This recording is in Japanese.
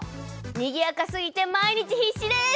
にぎやかすぎて毎日必死です！